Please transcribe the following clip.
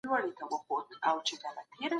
باداره ! دغه جنګ دي د وطن آخري جنګ سي